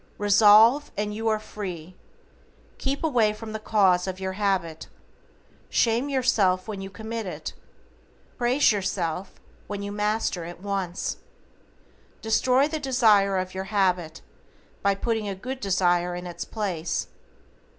RESOLVE, AND YOU ARE FREE. Keep away from the cause of your habit. Shame yourself when you commit it. Praise yourself when you master it once. Destroy the desire of your habit, by putting a good desire in its place.